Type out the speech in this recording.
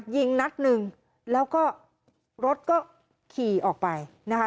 ยิงนัดหนึ่งแล้วก็รถก็ขี่ออกไปนะคะ